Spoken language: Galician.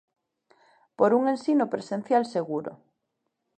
Por un ensino presencial seguro.